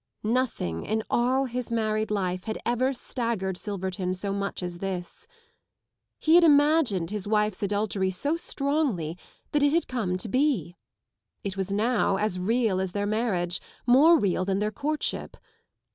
Nothing in all his married life had ever staggered Silverton so much as this. He had imagined his wife's adultery so strongly that it had come to be. It was now as real as their marriage ; more real than their courtship.